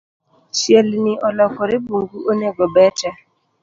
Chielni olokore bungu onego bete